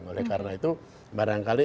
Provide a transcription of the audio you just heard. oleh karena itu barangkali